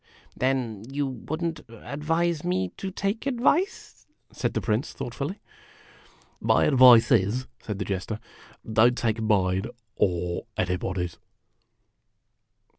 Then you would n't advise me to take advice ?" said the Prince, thoughtfully. " My advice is," said the Jester, "don't take mine, or anybody's."